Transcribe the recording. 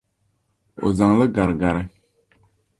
O zaŋ li gari gari.